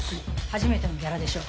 初めてのギャラでしょ。